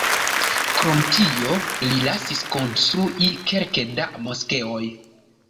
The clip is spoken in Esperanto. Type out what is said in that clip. Krom tio li lasis konstrui kelke da moskeoj.